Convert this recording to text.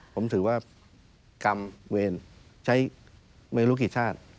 ผมถือว่ากรรมเวรใช้ไม่รู้กี่ชาติ